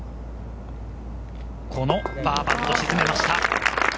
パーパットを沈めました。